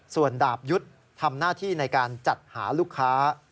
ส่วนดาบยุทธ์ทำหน้าที่ในการจัดหาลูกค้า